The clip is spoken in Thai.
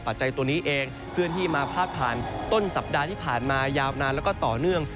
จัยตัวนี้เองเคลื่อนที่มาพาดผ่านต้นสัปดาห์ที่ผ่านมายาวนานแล้วก็ต่อเนื่อง